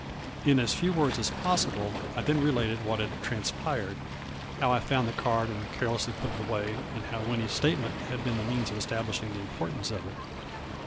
" In as few words as possible I then related what had transpired, how I found the card and carelessly put it away, and how Winnie's state ment had been the means of establishing the importance of it.